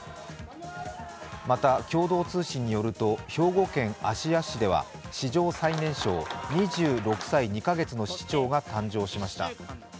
また、共同通信によると兵庫県芦屋市では史上最年少２６歳２か月の市長が誕生しました。